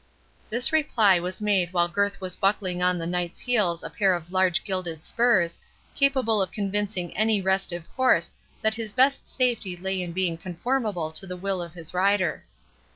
This reply was made while Gurth was buckling on the Knight's heels a pair of large gilded spurs, capable of convincing any restive horse that his best safety lay in being conformable to the will of his rider.